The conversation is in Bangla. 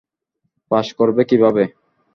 পাস করবে কীভাবে?